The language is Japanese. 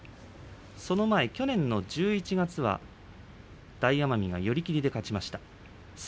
その前、去年の１１月は大奄美が寄り切りで勝っています。